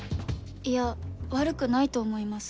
いや悪くないと思います。